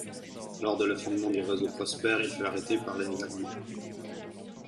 Lors de l’effondrement du réseau Prosper, il fut arrêté par les Allemands.